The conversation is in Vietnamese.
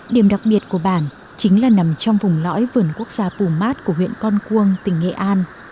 điểm đặc biệt của bản chính là nằm trong vùng lõi vườn quốc gia pù mát của huyện con cuông tỉnh nghệ an